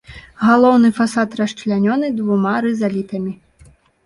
Галоўны фасад расчлянёны двума рызалітамі.